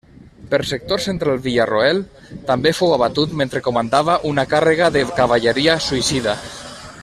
Per sector central Villarroel també fou abatut mentre comandava una càrrega de cavalleria suïcida.